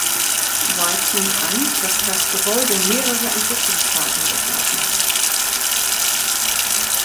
White nimmt an, dass das Gebäude mehrere Entwicklungsphasen durchlaufen hat.